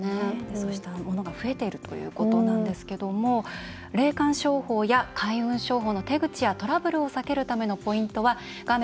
そうしたものが増えているということなんですけども霊感商法や開運商法の手口やトラブルを避けるためのポイントは画面